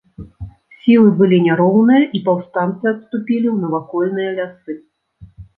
Сілы былі няроўныя, і паўстанцы адступілі ў навакольныя лясы.